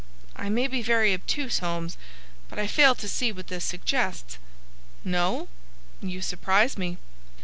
"I may be very obtuse, Holmes, but I fail to see what this suggests." "No? You surprise me.